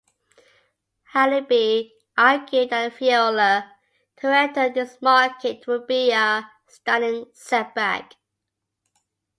Halaby argued that a failure to enter this market would be a "stunning setback".